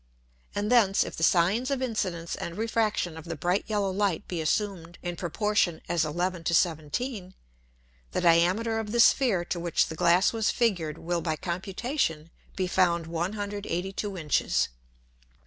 And thence, if the Sines of Incidence and Refraction of the bright yellow Light be assumed in proportion as 11 to 17, the Diameter of the Sphere to which the Glass was figured will by computation be found 182 Inches.